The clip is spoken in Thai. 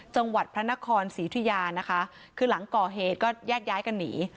จังหวัดพระนครศรีธุยานะคะคือหลังก่อเหตุก็แยกย้ายกันหนี